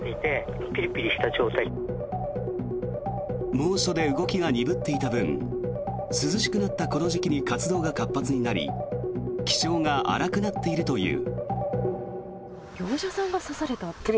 猛暑で動きが鈍っていた分涼しくなったこの時期に活動が活発になり気性が荒くなっているという。